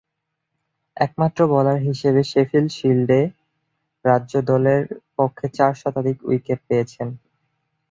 একমাত্র বোলার হিসেবে শেফিল্ড শিল্ডে রাজ্য দলের পক্ষে চার শতাধিক উইকেট পেয়েছেন।